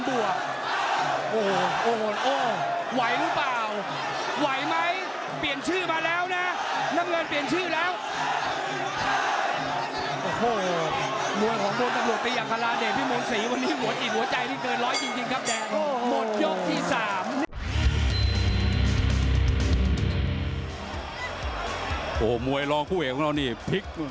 บวกกันเดียวครับตอนนี้อยู่คร้องนอกเสียเปียบ